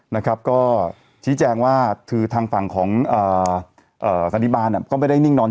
นะครับก็ชี้แจงว่าคือทางฝั่งของสันติบาลก็ไม่ได้นิ่งนอน